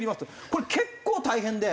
これ結構大変で。